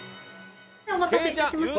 お待たせいたしました。